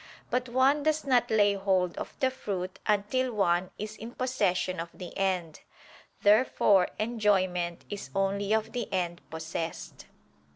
But one does not lay hold of the fruit until one is in possession of the end. Therefore enjoyment is only of the end possessed.